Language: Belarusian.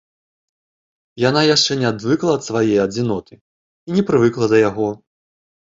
Яна яшчэ не адвыкла ад свае адзіноты і не прывыкла да яго.